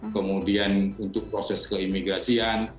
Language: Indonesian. kemudian untuk proses keimigrasian